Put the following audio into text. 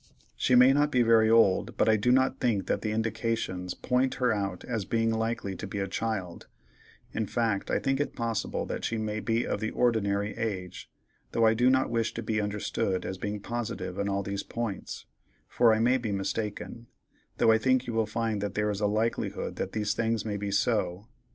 She may not be very old, but I do not think that the indications point her out as being likely to be a child; in fact, I think it possible that she may be of the ordinary age, though I do not wish to be understood as being positive on all these points, for I may be mistaken, though I think you will find that there is a likelihood that these things may be so.